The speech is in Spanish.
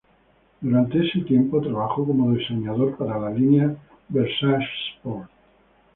Durante ese tiempo, trabajó como diseñador para la línea Versace Sport.